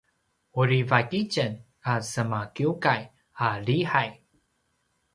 uri vaik itjen a semakiukay a lihay